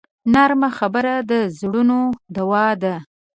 نرمه خبره د زړونو دوا ده